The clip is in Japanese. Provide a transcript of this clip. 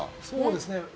そうですね